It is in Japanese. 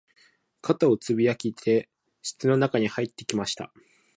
扉をつきやぶって室の中に飛び込んできました